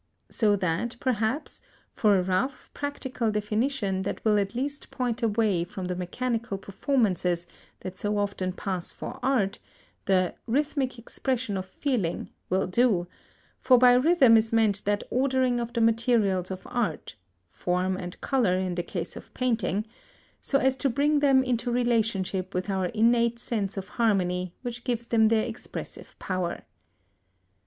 So that, perhaps, for a rough, practical definition that will at least point away from the mechanical performances that so often pass for art, "#the Rhythmic expression of Feeling#" will do: for by Rhythm is meant that ordering of the materials of art (form and colour, in the case of painting) so as to bring them into relationship with our innate sense of harmony which gives them their expressive power.